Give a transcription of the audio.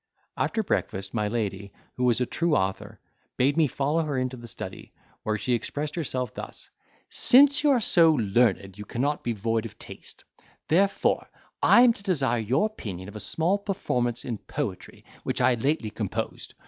After breakfast my lady, who was a true author, bade me follow her into the study, where she expressed herself thus: "Since you are so learned, you cannot be void of taste; therefore I am to desire your opinion of a small performance in poetry, which I lately composed.